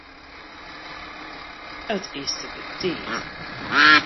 It is te betiid.